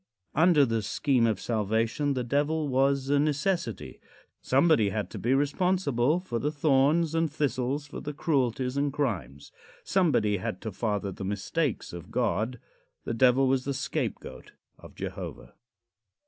Under the "Scheme of Salvation" the Devil was a necessity. Somebody had to be responsible for the thorns and thistles, for the cruelties and crimes. Somebody had to father the mistakes of God. The Devil was the scapegoat of Jehovah.